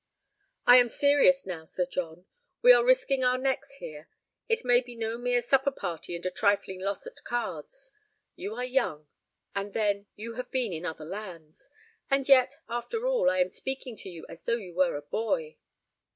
"I am serious now, Sir John. We are risking our necks here; it may be no mere supper party and a trifling loss at cards. You are young—and, then, you have been in other lands. And yet, after all, I am speaking to you as though you were a boy."